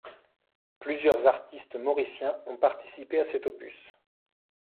Plusieurs artistes mauriciens ont participé à cet opus.